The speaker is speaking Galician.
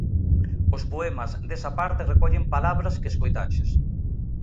Os poemas desa parte recollen palabras que escoitaches.